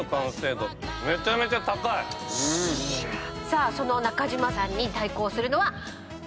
さあその中島さんに対抗するのは有岡さんです。